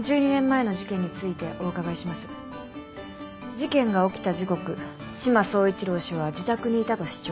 事件が起きた時刻志摩総一郎氏は自宅にいたと主張。